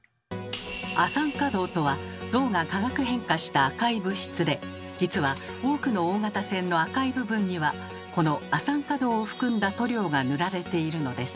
亜酸化銅とは銅が化学変化した赤い物質で実は多くの大型船の赤い部分にはこの亜酸化銅を含んだ塗料が塗られているのです。